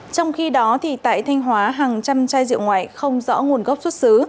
trong khi đó tại thanh hóa hàng trăm chai rượu ngoại không rõ nguồn gốc xuất xứ